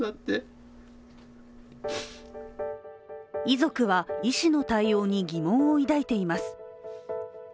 遺族は、医師の対応に疑問を抱いています。